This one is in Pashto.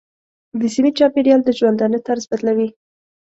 د سیمې چاپېریال د ژوندانه طرز بدلوي.